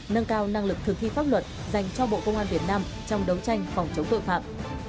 nâng cao năng lực thực thi pháp luật dành cho bộ công an việt nam trong đấu tranh phòng chống tội phạm